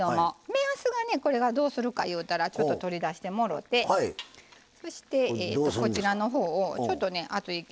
目安がねこれがどうするかいうたらちょっと取り出してもろうてそしてこちらのほうをちょっとね熱いけど手でピュッと。